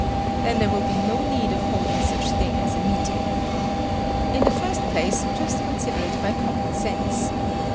Then there will be no need of holding such thing as a meeting. In the first place, just consider it by common sense.